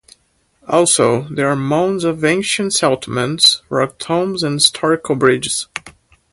Also, there are mounds of ancient settlements, rock tombs and historical bridges.